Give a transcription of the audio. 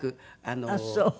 ああそう。